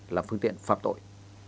làm phương tiện phạm tội